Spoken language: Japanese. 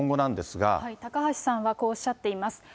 高橋さんはこうおっしゃっています。